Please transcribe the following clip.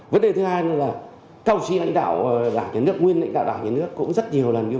vấn đề thứ hai là cao trí lãnh đạo đảng nhà nước nguyên lãnh đạo đảng nhà nước cũng rất nhiều lần